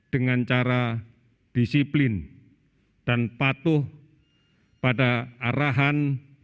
dengan cara disiplin dan patuh pada arahan